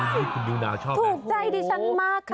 ทุกใจดิฉันมากค่ะ